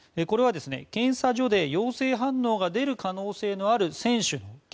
これは検査所で陽性反応が出る可能性のある選手